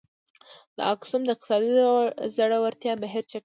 د اکسوم د اقتصادي ځوړتیا بهیر چټک کړ.